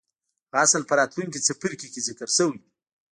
هغه اصل په راتلونکي څپرکي کې ذکر شوی دی.